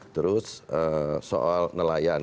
terus soal nelayan